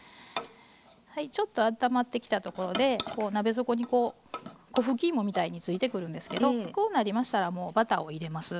はいちょっとあったまってきたところで鍋底にこう粉ふきいもみたいについてくるんですけどこうなりましたらもうバターを入れます。